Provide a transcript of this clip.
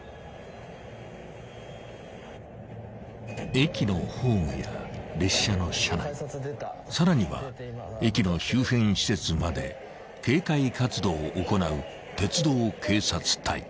［駅のホームや列車の車内さらには駅の周辺施設まで警戒活動を行う鉄道警察隊］